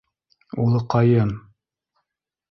Улыҡайым!